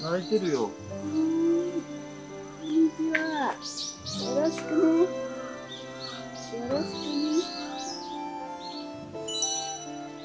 よろしくね。